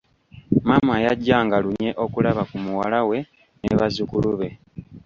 Maama yajjanga lunye okulaba ku muwala we ne bazzukulu be.